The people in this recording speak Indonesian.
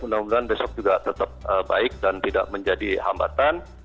mudah mudahan besok juga tetap baik dan tidak menjadi hambatan